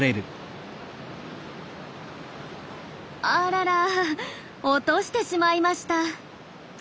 あらら落としてしまいました。